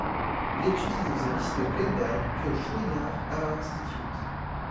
Il étudie dans un lycée de Glendale puis au Chouinard Art Institute.